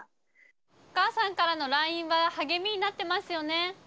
お母さんからのＬＩＮＥは励みになってますよね？